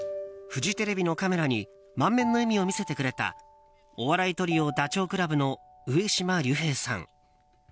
フジテレビのカメラに満面の笑みを見せてくれたお笑いトリオ、ダチョウ倶楽部の上島竜兵さん。